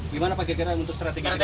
gimana pak gagera untuk strategi tersebut